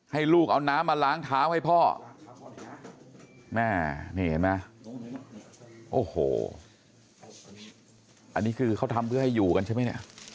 ลูกเอาน้ำมาล้างเท้าให้พ่อแม่นี่เห็นไหมโอ้โหอันนี้คือเขาทำเพื่อให้อยู่กันใช่ไหมเนี่ย